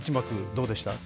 どうでした？